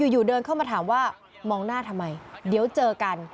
เดินเข้ามาถามว่ามองหน้าทำไมเดี๋ยวเจอกัน